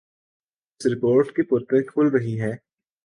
اس report کی پرتیں کھل رہی ہیں۔